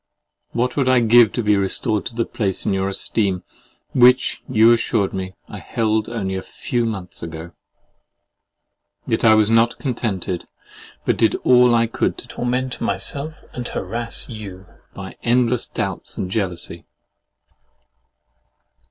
What would I give to be restored to the place in your esteem, which, you assured me, I held only a few months ago! Yet I was not contented, but did all I could to torment myself and harass you by endless doubts and jealousy.